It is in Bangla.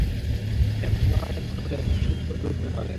তারপর হাজেরা পানি পান করলেন এবং শিশু-পুত্রকে দুধ পান করালেন।